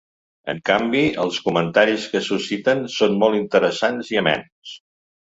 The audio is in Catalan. En canvi, els comentaris que susciten són molt interessants i amens.